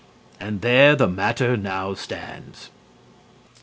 And there the matter now stands.